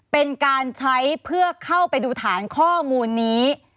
เป็นการใช้เพื่อเข้าไปดูฐานข้อมูลนี้